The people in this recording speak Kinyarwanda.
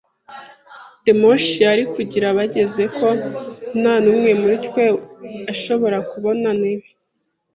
The moshi yari kugira bageze ko nta n'umwe muri twe ashobora kubona ntebe.